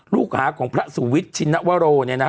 ลูกฮาของพระสุวิชชินวโวโลเนี่ยนะครับ